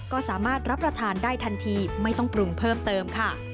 ก็สามารถรับประทานได้ทันทีไม่ต้องปรุงเพิ่มเติมค่ะ